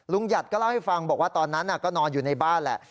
หยัดก็เล่าให้ฟังบอกว่าตอนนั้นก็นอนอยู่ในบ้านแหละ